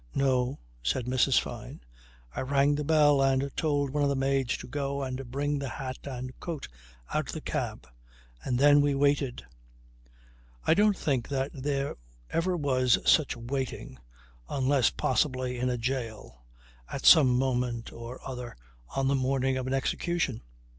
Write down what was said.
"No," said Mrs. Fyne. "I rang the bell and told one of the maids to go and bring the hat and coat out of the cab. And then we waited." I don't think that there ever was such waiting unless possibly in a jail at some moment or other on the morning of an execution.